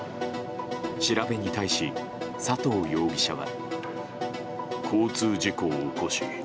調べに対し、佐藤容疑者は。